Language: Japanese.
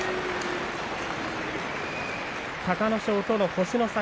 隆の勝との星の差